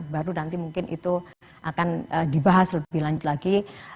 baru nanti mungkin itu akan dibahas lebih lanjut lagi